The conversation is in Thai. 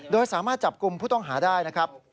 โดยสามารถจับกลุ่มผู้ต้องหาได้นะครับ